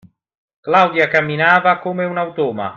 Claudia camminava come un automa.